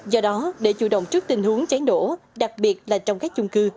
do đó để chủ động trước tình huống cháy nổ đặc biệt là trong các chung cư